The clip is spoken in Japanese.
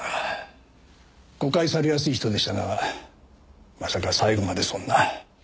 誤解されやすい人でしたがまさか最後までそんな。